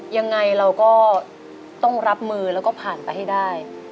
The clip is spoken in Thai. ยังไงเราก็ต้องรับมือแล้วก็ผ่านไปให้ได้